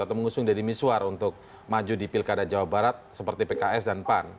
atau mengusung deddy miswar untuk maju di pilkada jawa barat seperti pks dan pan